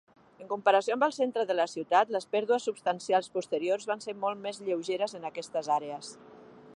En comparació amb el centre de la ciutat, les pèrdues substancials posteriors van ser molt més lleugeres en aquestes àrees.